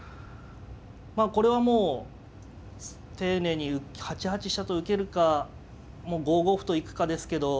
まあこれはもう丁寧に８八飛車と受けるかもう５五歩と行くかですけど。